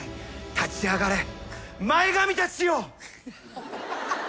立ち上がれ前髪たちよ。